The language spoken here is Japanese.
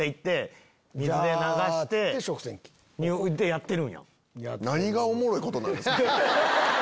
やってるんや。